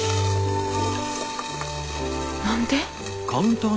何で？